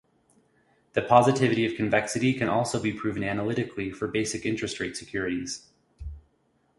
The positivity of convexity can also be proven analytically for basic interest rate securities.